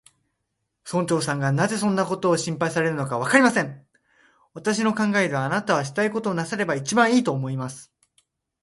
村長さんがなぜそんなことを心配されるのか、わかりません。私の考えでは、あなたはしたいことをなさればいちばんいい、と思います。